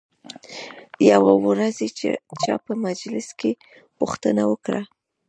یوې ورځې چا په مجلس کې پوښتنه وکړه.